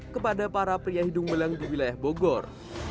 kepada para pria hidung belang di wilayah bogor